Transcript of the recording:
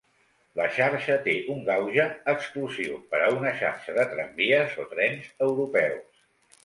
La xarxa té un gauge, exclusiu per a una xarxa de tramvies o trens europeus.